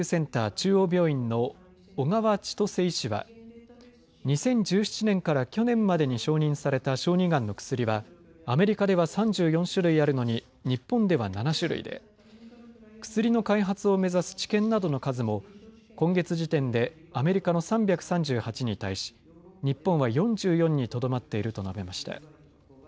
中央病院の小川千登世医師は２０１７年から去年までに承認された小児がんの薬はアメリカでは３４種類あるのに日本では７種類で薬の開発を目指す治験などの数も今月時点でアメリカの３３８に対し日本は４４にとどまっていると述べました。